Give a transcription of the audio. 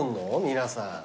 皆さん。